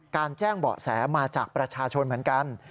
แจ้งเบาะแสมาจากประชาชนเหมือนกัน